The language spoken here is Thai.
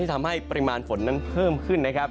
ทำให้ปริมาณฝนนั้นเพิ่มขึ้นนะครับ